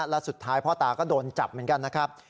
และสุดท้ายพ่อตาก็โดนจับเหมือนกันนะครับ